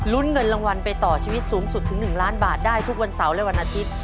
เงินรางวัลไปต่อชีวิตสูงสุดถึง๑ล้านบาทได้ทุกวันเสาร์และวันอาทิตย์